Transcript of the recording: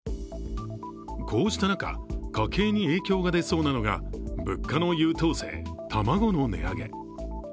こうした中、家計に影響が出そうなのが物価の優等生、卵の値上げ。